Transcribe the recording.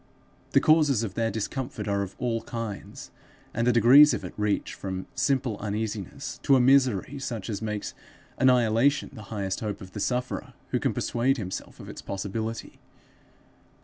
The causes of their discomfort are of all kinds, and the degrees of it reach from simple uneasiness to a misery such as makes annihilation the highest hope of the sufferer who can persuade himself of its possibility.